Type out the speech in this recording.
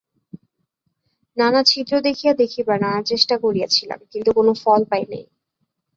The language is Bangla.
নানা ছিদ্র দিয়া দেখিবার নানা চেষ্টা করিয়াছিলাম কিন্তু কোনো ফল পাই নাই।